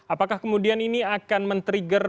apakah kemudian ini akan men trigger